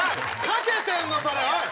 かけてんのそれおい！